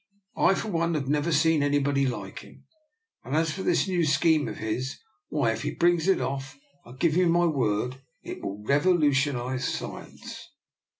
I, for one, have never seen anybody like him; and as for this new scheme of his, why, if he brings it off, I give you my word it will revolutionise science."